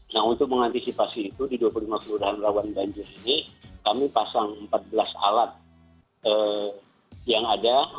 nah untuk mengantisipasi itu di dua puluh lima kelurahan rawan banjir ini kami pasang empat belas alat yang ada